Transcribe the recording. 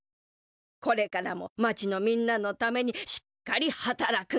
これからも町のみんなのためにしっかりはたらくのじゃぞ。